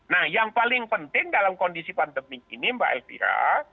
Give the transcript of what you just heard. nah yang paling penting dalam kondisi pandemi ini mbak elvira